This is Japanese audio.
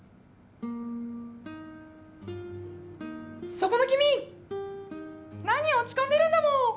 そこの君何落ち込んでるんだモウ